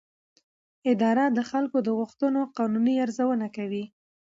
اداره د خلکو د غوښتنو قانوني ارزونه کوي.